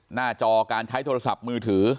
หน้าจอการใช้โทรศัพท์มือถือ